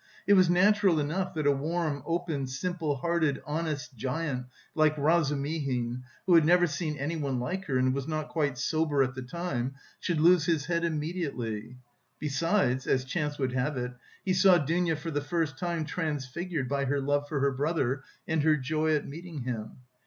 It was natural enough that a warm, open, simple hearted, honest giant like Razumihin, who had never seen anyone like her and was not quite sober at the time, should lose his head immediately. Besides, as chance would have it, he saw Dounia for the first time transfigured by her love for her brother and her joy at meeting him.